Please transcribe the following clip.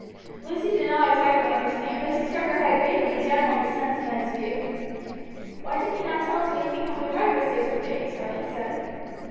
Lucy did not exactly understand, but she shook her head gravely in general dissent to Ned's view. "Why did you not tell us when you came home to breakfast yesterday?" Charlie asked.